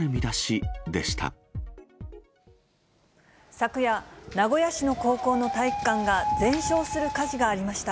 昨夜、名古屋市の高校の体育館が全焼する火事がありました。